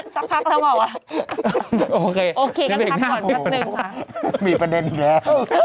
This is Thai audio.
สักพักแล้วเหรอวะโอเคกันพักหน่อยสักนึงค่ะมีประเด็นอีกแล้ว